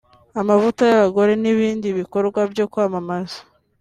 amavuta y’abagore n’ibindi bikorwa byo kwamamaza